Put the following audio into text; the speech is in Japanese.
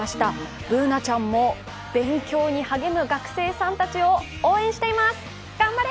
Ｂｏｏｎａちゃんも勉強に励む学生さんたちを応援しています、頑張れ！